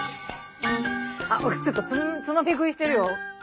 ちょっとつまみ食いしてるよ。